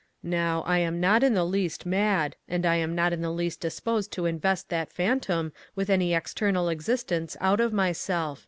Now, I am not in the least mad, and am not in the least disposed to invest that phantom with any external existence out of myself.